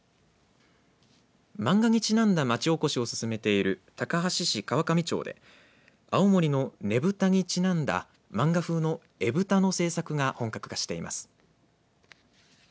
漫画にちなんだ町おこしを進めている高梁市川上町で青森のねぶたにちなんだ漫画風の絵ぶたの制作が本格化しています。